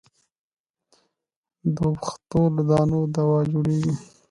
د اوبښتو له دانو دوا جوړېږي.